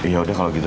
ya udah kalau gitu